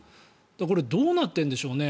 これ、どうなってんでしょうね。